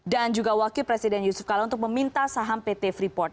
dan juga wakil presiden yusuf kalo untuk meminta saham pt freeport